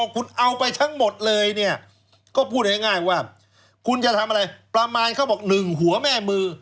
คุณเอาไปทั้งหมดเลยเนี่ยก็พูดง่ายว่าคุณจะทำอะไรประมาณเขาบอก๑หัวแม่มือ